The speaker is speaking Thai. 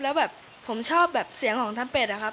แล้วแบบผมชอบแบบเสียงของทางเป็ดอะครับ